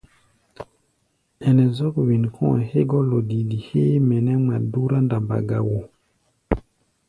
Ɛnɛ zɔ́k wen kɔ̧́-a̧ hégɔ́ lɔdidi héé mɛ nɛ́ ŋma dúrá ndamba ga wo.